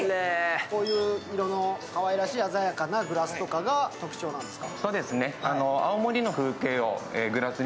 こういう色のかわいらしい鮮やかなグラスとかが特徴なんですか？